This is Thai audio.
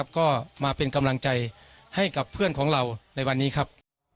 ก็มาเป็นกำลังใจให้กับเพื่อนของเราในวันนี้ครับ